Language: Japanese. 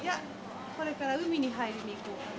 これから海に入りに行きます。